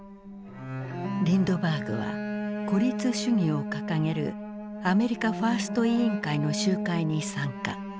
リンドバーグは孤立主義を掲げるアメリカ・ファースト委員会の集会に参加。